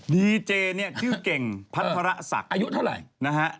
ดีเจนี่ชื่อเก่งพัทรสักอายุเท่าไหร่